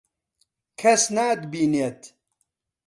کەس ناتبینێت.